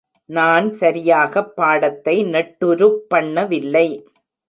நான் சரியாகப் பாடத்தை நெட்டுருப் பண்ணவில்லை.